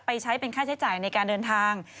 ใช้เป็นค่าใช้จ่ายในการเดินทาง